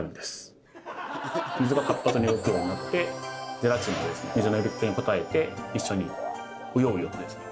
水が活発に動くようになってゼラチンも水の呼びかけに応えて一緒にうようよとですね